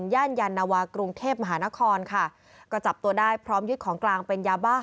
ย่านยานวากรุงเทพมหานครค่ะก็จับตัวได้พร้อมยึดของกลางเป็นยาบ้า